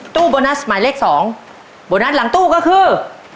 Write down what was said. ตู้โบนัสหมายเลข๒โบนัสหลังตู้ก็คือ